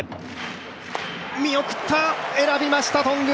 見送った、選びました頓宮！